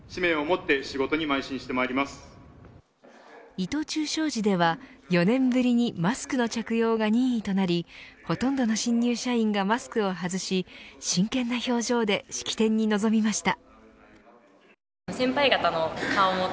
伊藤忠商事では４年ぶりにマスクの着用が任意となりほとんどの新入社員がマスクを外し真剣な表情で式典に臨みました。